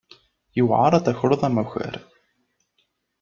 Yuɛer ad takreḍ amakar.